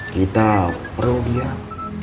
kita perlu diam